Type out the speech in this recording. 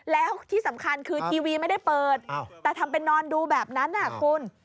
แล้วที่สำคัญคือทีวีไม่ได้เปิดแต่ทำเป็นนอนดูแบบนั้นคุณ